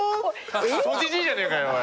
⁉クソじじいじゃねえかよおい！